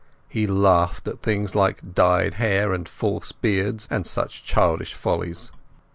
He laughed at things like dyed hair and false beards and such childish follies.